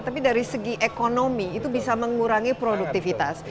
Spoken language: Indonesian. tapi dari segi ekonomi itu bisa mengurangi produktivitas